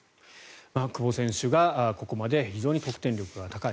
久保選手がここまで非常に得点力が高い